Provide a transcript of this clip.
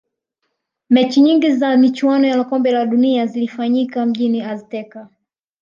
mechi nyingi za michuano la kombe la dunia zilifanyika mjini azteca